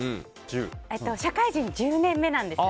社会人１０年目なんです。